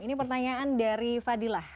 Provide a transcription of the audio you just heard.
ini pertanyaan dari fadilah